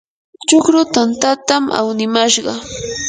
chukru tantatam awnimashqa.